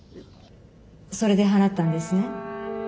それで払ったんですね？